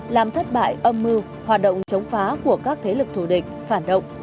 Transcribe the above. làm thất bại âm mưu hoạt động chống phá của các thế lực thù địch phản động